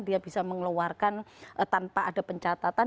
dia bisa mengeluarkan tanpa ada pencatatan